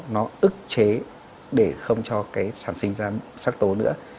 nó ức chế để không cho cái sản sinh ra sắc tố nữa